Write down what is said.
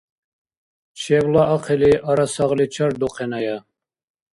Чебла ахъили, ара-сагъли чардухъеная!